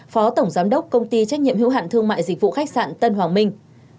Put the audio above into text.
phó tổng giám đốc công ty trách nhiệm hữu hạn thương mại dịch vụ khách sạn tân hoàng minh